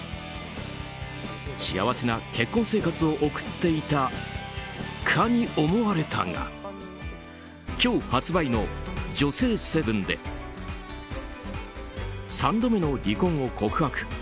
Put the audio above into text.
幸せな結婚生活を送っていたかに思われたが今日発売の「女性セブン」で３度目の離婚を告白。